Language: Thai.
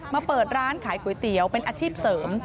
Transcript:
เปิดร้านขายก๋วยเตี๋ยวเป็นอาชีพเสริม